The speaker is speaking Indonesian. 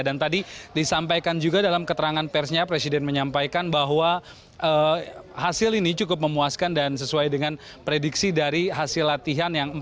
dan tadi disampaikan juga dalam keterangan persnya presiden menyampaikan bahwa hasil ini cukup memuaskan dan sesuai dengan prediksi dari hasil latihan